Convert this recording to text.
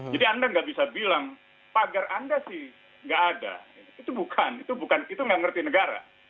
jadi anda nggak bisa bilang pagar anda sih nggak ada itu bukan itu nggak ngerti negara